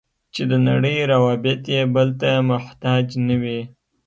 چې د نړۍ روابط یې بل ته محتاج نه وي.